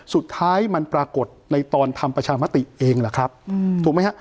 สุดท้ายมันปรากฏในตอนทำประชามติเองหรือครับถูกไหมฮะ